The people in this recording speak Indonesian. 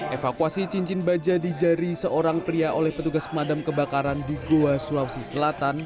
evakuasi cincin baja di jari seorang pria oleh petugas pemadam kebakaran di goa sulawesi selatan